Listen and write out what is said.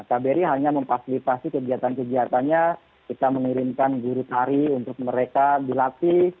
kbri hanya memfasilitasi kegiatan kegiatannya kita mengirimkan guru tari untuk mereka dilatih